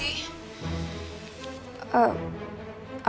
ibu menjual kamu juga